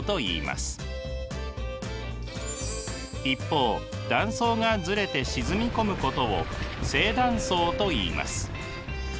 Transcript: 一方断層がずれて沈み込むことを正断層といいます。